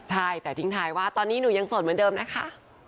ใช่แต่ทิ้งท้ายว่าตอนนี้หนูยังโสดเหมือนเดิมนะคะ